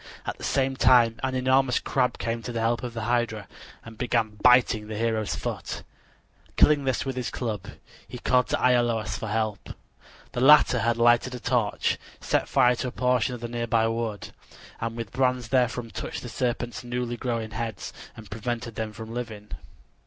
At the same time an enormous crab came to the help of the hydra and began biting the hero's foot. Killing this with his club, he called to Iolaus for help. The latter had lighted a torch, set fire to a portion of the nearby wood, and with brands therefrom touched the serpent's newly growing heads and prevented them from living.